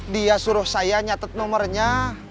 dia suruh saya nyatet nomernya